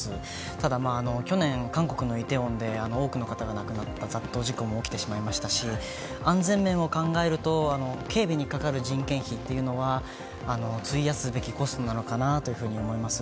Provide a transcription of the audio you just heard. ただ去年、韓国のイテウォンで多くの方が亡くなった雑踏事故も起きてしまいましたし安全面を考えると警備にかかる人件費というのは費やすべきコストなのかなと思います。